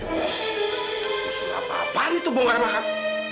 itu apaan itu bongkar makam